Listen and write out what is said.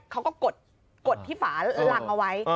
เขาก็กดที่ฝารังเอาไว้